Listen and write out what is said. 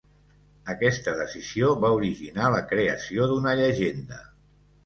Aquesta decisió va originar la creació d'una llegenda.